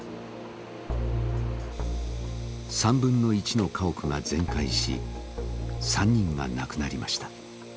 ３分の１の家屋が全壊し３人が亡くなりました。